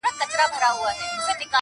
په لوی لاس به مي ځان وسپارم عذاب ته؛